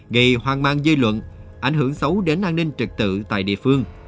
gây hoang mang dư luận ảnh hưởng xấu đến an ninh trực tự tại địa phương